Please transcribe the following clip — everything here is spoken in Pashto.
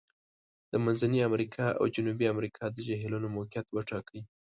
د منځني امریکا او جنوبي امریکا د جهیلونو موقعیت وټاکئ.